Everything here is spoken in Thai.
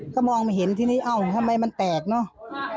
ก็มองเห็นที่นี้ทำไมมันแตกเนาะ